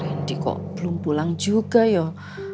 randy kok belum pulang juga yoh